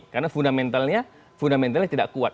karena fundamentalnya tidak kuat